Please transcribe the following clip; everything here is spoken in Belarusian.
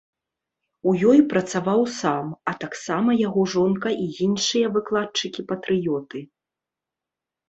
У ёй працаваў сам, а таксама яго жонка і іншыя выкладчыкі-патрыёты.